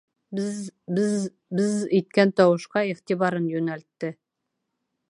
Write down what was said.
Без-з-з, без-з-з, без-з-з иткән тауышҡа иғтибарын йүнәлтте.